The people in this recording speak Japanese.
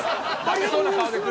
ありがとうございます。